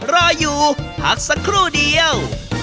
รออยู่พักสักครู่เดียว